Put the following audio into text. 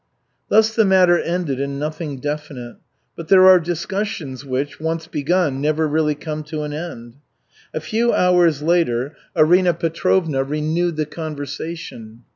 Thus the matter ended in nothing definite. But there are discussions which, once begun, never really come to an end. A few hours later Arina Petrovna renewed the conversation.